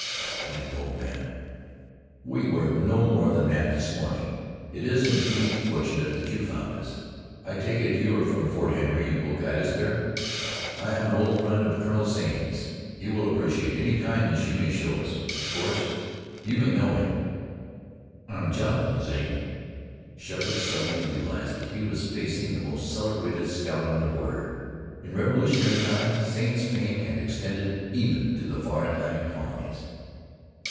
exclaimed the old man. "We were no more than that this morning. It is indeed fortunate that you found us. I take it you are from Fort Henry, and will guide us there? I am an old friend of Colonel Zane's. He will appreciate any kindness you may show us. Of course you know him?" "I am Jonathan Zane." Sheppard suddenly realized that he was facing the most celebrated scout on the border. In Revolutionary times Zane's fame had extended even to the far Atlantic Colonies.